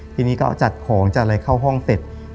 ทีนี้ก็จัดของจัดอะไรเข้าห้องเสร็จ